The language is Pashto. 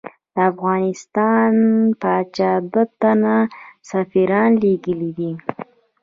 د افغانستان پاچا دوه تنه سفیران لېږلی دي.